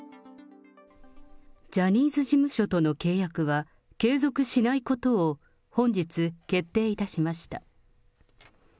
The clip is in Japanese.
ジャニーズ事務所との契約は、継続しないことを本日、決定いたしました。